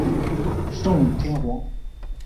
圣武天皇。